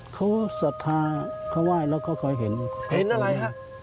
เขาสัทธาเขาไหว้แล้วก็คอยเห็นเห็นอะไรครับ